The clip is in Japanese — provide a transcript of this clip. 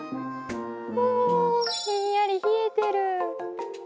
おおひんやりひえてる。